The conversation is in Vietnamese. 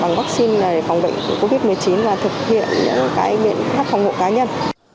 phòng vaccine là để phòng bệnh của covid một mươi chín và thực hiện các biện pháp phòng hộ cá nhân